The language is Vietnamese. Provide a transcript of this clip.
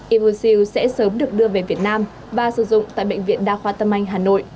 imoxil sẽ sớm được đưa về việt nam và sử dụng tại bệnh viện đa khoa tâm anh hà nội